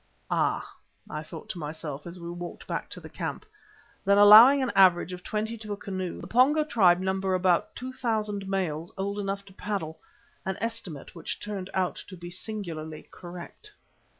Ah! thought I to myself as we walked back to the camp. Then, allowing an average of twenty to a canoe, the Pongo tribe number about two thousand males old enough to paddle, an estimate which turned out to be singularly correct.